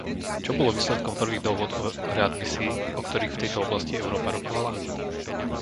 Čo bolo výsledkom prvých dohôd o readmisii, o ktorých v tejto oblasti Európa rokovala?